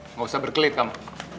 nggak usah berkelit kamu